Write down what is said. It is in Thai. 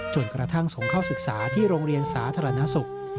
กระทั่งส่งเข้าศึกษาที่โรงเรียนสาธารณสุข